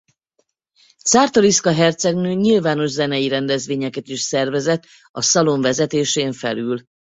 Czartoryska hercegnő nyilvános zenei rendezvényeket is szervezett a szalon vezetésén felül.